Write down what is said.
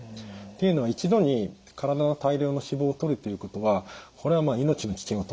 っていうのは一度に体の大量の脂肪をとるということはこれはまあ命の危険を伴います。